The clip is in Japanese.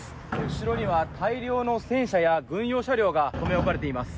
後ろには大量の戦車や軍用車両が留め置かれています。